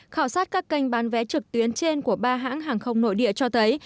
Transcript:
khảo sát các kênh bán vé trực tuyến trên của ba hãng hàng không nội địa cho thấy